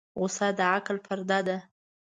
غوسه د عقل پرده ده.